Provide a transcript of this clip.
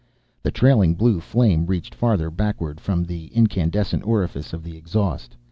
The trailing blue flame reached farther backward from the incandescent orifice of the exhaust.